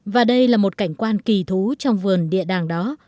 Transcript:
và đây là một cảnh quan kỳ thú trong vườn địa đàng đó